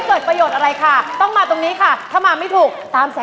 เข้าประจำชมที่เลยค่ะ